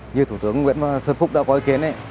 như thủ tướng nguyễn xuân phúc đã có ý kiến